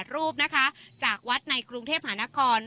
๔๘๘รูปจากวัดในกรุงเทพฯหานคร